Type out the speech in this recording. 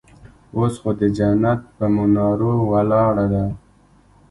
اوس خو د جنت پهٔ منارو ولاړه ده